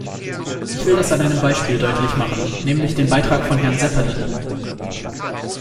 Ich will das an einem Beispiel deutlich machen, nämlich dem Beitrag von Herrn Seppänen.